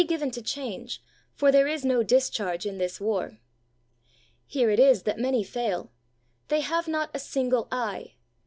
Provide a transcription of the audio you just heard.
given to change, for there is no discharge in this war. Here it is that many fail; they have not a single eye.